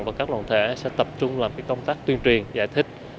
và các đoàn thể sẽ tập trung làm công tác tuyên truyền giải thích